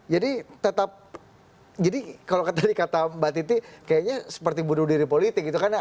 jadi tetap jadi kalau tadi kata mbak titi kayaknya seperti bunuh diri politik gitu kan